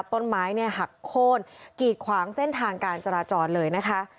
ต้นไม้เนี่ยหักโค้นกีดขวางเส้นทางการจราจรเลยนะคะ